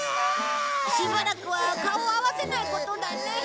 しばらくは顔を合わせないことだね。